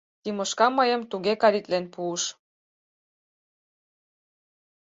Тимошка мыйым туге калитлен пуыш.